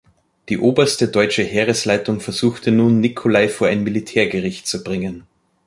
Die oberste Deutsche Heeresleitung versuchte nun Nicolai vor ein Militärgericht zu bringen.